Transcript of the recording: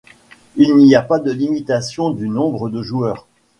Il n'y a pas de limitation du nombre de joueurs.